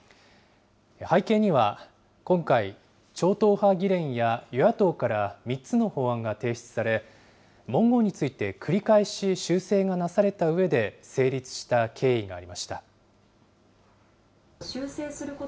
背景には今回、超党派議連や与野党から３つの法案が提出され、文言について繰り返し修正がなされたうえで、成立した経緯がありました。